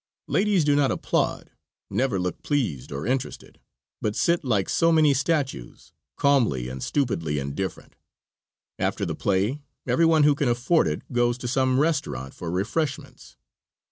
Ladies do not applaud, never look pleased or interested, but sit like so many statues, calmly and stupidly indifferent. After the play every one who can afford it goes to some restaurant for refreshments.